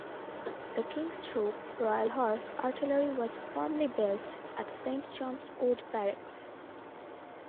The King's Troop, Royal Horse Artillery was formerly based at Saint John's Wood Barracks.